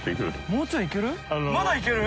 もうちょいいける？